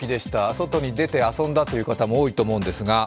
外に出て遊んだという方も多いと思うんですが。